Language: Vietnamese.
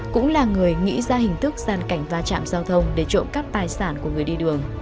cũng là người nghĩ ra hình thức gian cảnh va chạm giao thông để trộm cắp tài sản của người đi đường